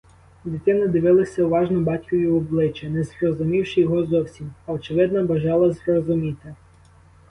Дитина дивилася уважно батькові в обличчя, не зрозумівши його зовсім, а очевидно, бажала зрозуміти.